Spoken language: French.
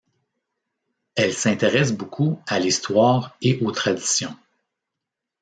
Elle s'intéresse beaucoup à l'histoire et aux traditions.